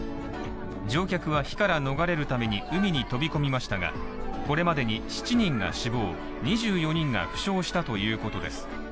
乗客は火から逃れるために海に飛び込みましたがこれまでに７人が死亡、２４人が負傷したということです。